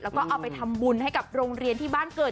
แล้วก็เอาไปทำบุญให้กับโรงเรียนที่บ้านเกิด